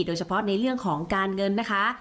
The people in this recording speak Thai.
โดยเฉพาะในเรื่องของการเงินนะคะ